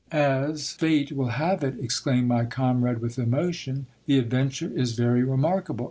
As fate will have it, exclaimed my comrade with emotion, the adventure is very remarkable